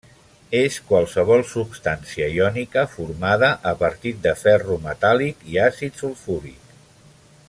És qualsevol substància iònica formada a partir de ferro metàl·lic i àcid sulfúric.